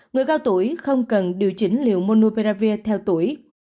người cao tuổi không cần điều chỉnh liệu monopiravir theo tuổi